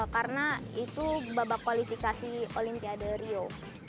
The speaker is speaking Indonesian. karena itu babak kualifikasi olimpiade rio